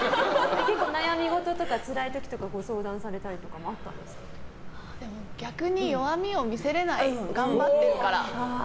悩み事とかつらいことととかを相談されたことは逆に、弱みを見せられない頑張ってるから。